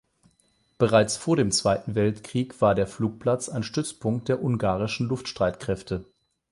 Bereits vor dem Zweiten Weltkrieg war der Flugplatz ein Stützpunkt der ungarischen Luftstreitkräfte.